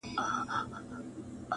حیوانان یې وه بارونو ته بللي!